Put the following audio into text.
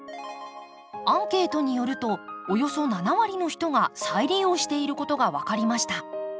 アンケートによるとおよそ７割の人が再利用していることが分かりました。